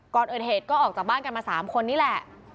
ก่อนเกิดเหตุก็ออกจากบ้านกันมา๓คนนี่แหละ